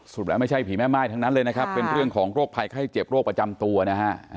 แล้วไม่ใช่ผีแม่ม่ายทั้งนั้นเลยนะครับเป็นเรื่องของโรคภัยไข้เจ็บโรคประจำตัวนะฮะ